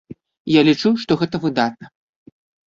Я лічу, што гэта выдатна.